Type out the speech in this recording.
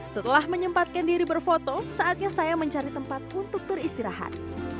setelah menyempatkan diri berfoto saatnya saya mencari tempat untuk beristirahat